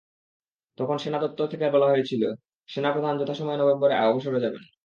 তখন সেনা দপ্তর থেকে বলা হয়েছিলেন, সেনাপ্রধান যথাসময়ে নভেম্বরে অবসরে যাবেন।